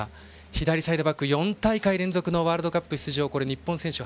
左サイドバック４大会連続のワールドカップ出場日本選手